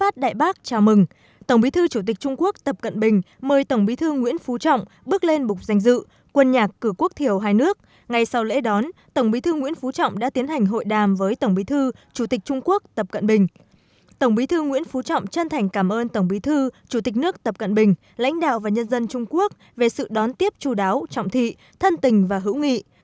tổng bí thư nguyễn phú trọng chân thành cảm ơn tổng bí thư chủ tịch nước tập cận bình lãnh đạo và nhân dân trung quốc về sự đón tiếp chú đáo trọng thị thân tình và hữu nghị